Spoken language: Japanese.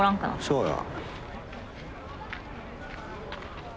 そうや。